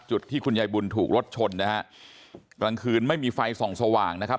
ที่คุณยายบุญถูกรถชนนะฮะกลางคืนไม่มีไฟส่องสว่างนะครับ